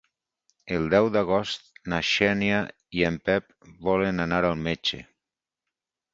El deu d'agost na Xènia i en Pep volen anar al metge.